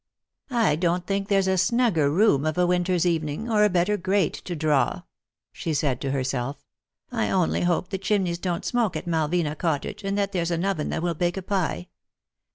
I don't think there's a snugger room of a winter's evening, or a better grate to draw," she said to herself. " I only hope the chimneys don't smoke at Malvina Cottage, and that there's an oven that will bake a pie.